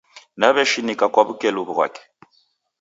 Naw'eshinika kwa wukelu ghwake